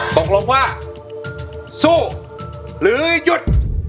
ตกลงว่าสู้หรือหยุด